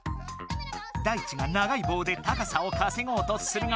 ダイチが長いぼうで高さをかせごうとするが。